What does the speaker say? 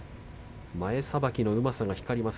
前さばきのうまさが光ります